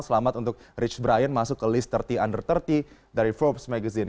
selamat untuk rich brian masuk ke lister tiga puluh under tiga puluh dari forbes magazine